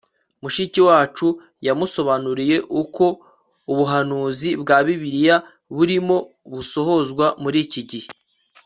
mushiki wacu yamusobanuriye uko ubuhanuzi bwa bibiliya burimo busohozwa muri iki gihe